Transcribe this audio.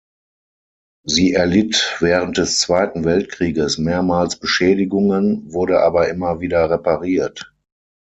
Sie erlitt während des Zweiten Weltkrieges mehrmals Beschädigungen, wurde aber immer wieder repariert.